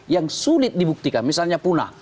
yang sulit dibuktikan misalnya punah